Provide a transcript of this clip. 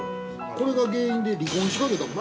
これが原因で離婚しかけたもん。